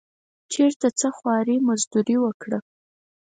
چېرته څه خواري مزدوري وکړه.